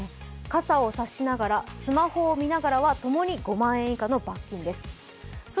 傘を差しながら、スマホを見ながらは共に５万円以下の罰金です。